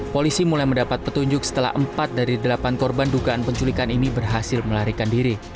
polisi mulai mendapat petunjuk setelah empat dari delapan korban dugaan penculikan ini berhasil melarikan diri